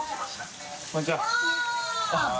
こんにちは！